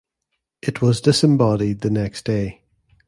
It was disembodied the next day.